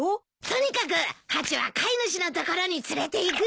とにかくハチは飼い主のところに連れていくよ。